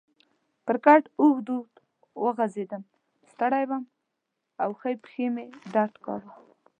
پر کټ اوږد اوږد وغځېدم، ستړی وم او ښۍ پښې مې درد کاوه.